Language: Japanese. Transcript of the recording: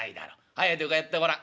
早いとこやってごらん」。